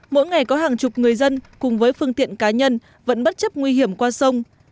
mỗi ngày có hàng chục người dân cùng với phương tiện cá nhân vẫn bất chấp nguy hiểm qua sông